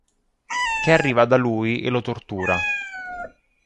Carrie va da lui e lo tortura.